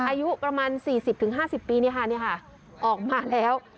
อายุประมาณ๔๐๕๐ปีออกมาแล้ว